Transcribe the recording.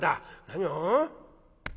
「何を！